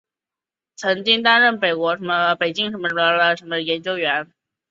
担任北京应用物理与计算数学研究所研究员。